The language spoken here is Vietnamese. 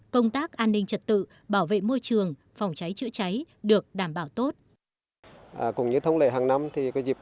công tác an ninh trật tự bảo vệ môi trường phòng cháy chữa cháy được đảm bảo tốt